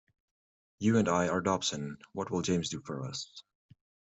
You and I are Dobson; what will James do for us?.